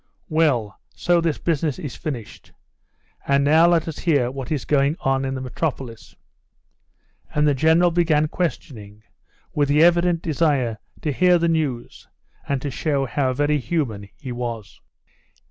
Well, so this business is finished. And now let us hear what is going on in the metropolis." And the General began questioning with the evident desire to hear the news and to show how very human he was.